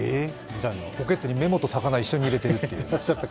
ポケットにメモと魚を一緒に入れているという。